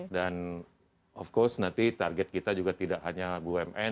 dan tentu saja nanti target kita juga tidak hanya bumn